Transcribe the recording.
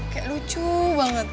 kayak lucu banget